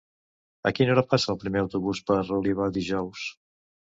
A quina hora passa el primer autobús per Oliva dijous?